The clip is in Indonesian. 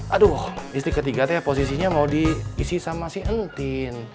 aduh istri ketiganya posisinya mau diisi sama si entin